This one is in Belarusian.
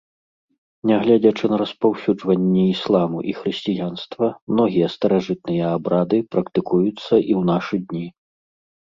Нягледзячы на распаўсюджанне ісламу і хрысціянства, многія старажытныя абрады практыкуюцца і ў нашы дні.